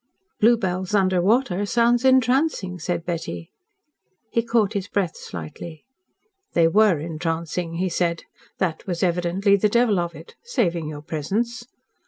"Bluebells under water sounds entrancing," said Betty. He caught his breath slightly. "They were entrancing," he said. "That was evidently the devil of it saving your presence."